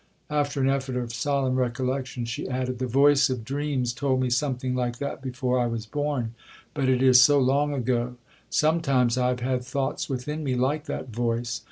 After an effort of solemn recollection, she added, 'The voice of dreams told me something like that before I was born, but it is so long ago,—sometimes I have had thoughts within me like that voice.